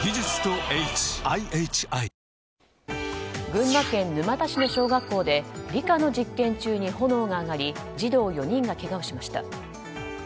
群馬県沼田市の小学校で理科の実験中に炎が上がり児童４人がけがをしました。